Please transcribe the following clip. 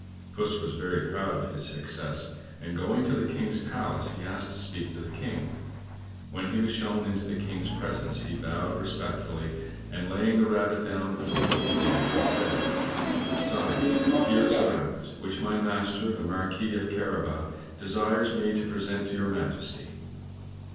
Puss was very proud of his success, and, going to the King's palace, he asked to speak to the King. When he was shown into the King's presence he bowed respectfully, and, laying the rabbit down before the throne, he said "Sire, here is a rabbit, which my master, the Marquis of Carabas, desires me to present to your Majesty."